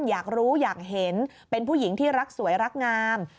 อยากรู้อยากเห็นเป็นผู้หญิงที่รักสวยรักงาม